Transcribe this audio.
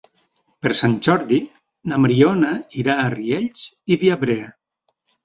Per Sant Jordi na Mariona irà a Riells i Viabrea.